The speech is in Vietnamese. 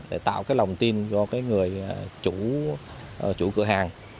do cái người chủ cửa hàng